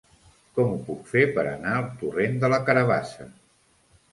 Com ho puc fer per anar al torrent de la Carabassa?